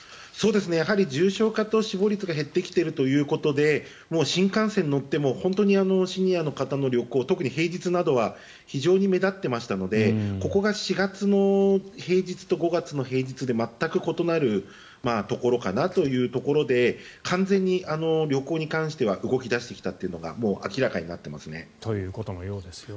重症化と死亡率が減ってきているということで新幹線に乗っても本当にシニアの方の旅行特に平日などは非常に目立っていましたのでここが４月の平日と５月の平日で全く異なるところかなというところで完全に旅行に関しては動き出してきたというのがもう明らかになっていますね。ということのようですよ。